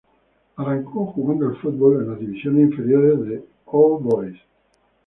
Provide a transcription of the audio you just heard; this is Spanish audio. Arrancó jugando al fútbol en las divisiones inferiores de All Boys.